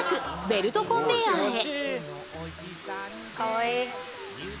ベルトコンベヤーへ。